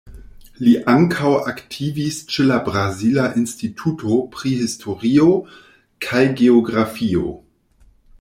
Li ankaŭ aktivis ĉe la Brazila Instituto pri Historio kaj Geografio.